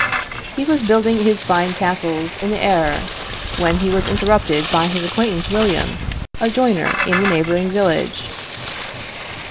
He was building his fine castles in the air, when he was interrupted by his acquaintance William, a joiner in the neighbouring village.